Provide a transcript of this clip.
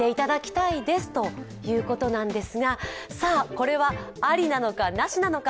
これはありなのか、なしなのか。